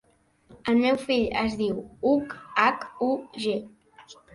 El meu fill es diu Hug: hac, u, ge.